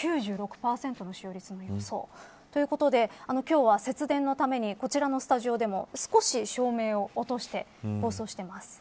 ということで、今日は節電のために、こちらのスタジオでも少し照明を落として放送しています。